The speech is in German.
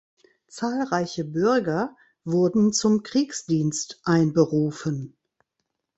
Zahlreiche Bürger wurden zum Kriegsdienst einberufen.